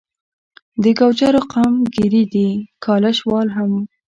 د ګوجرو قوم ګیري دي، ګالیش وال هم